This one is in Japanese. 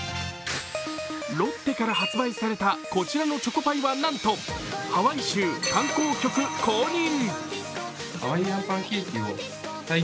ロッテから発売されたこちらのチョコパイはなんと、ハワイ州観光局公認。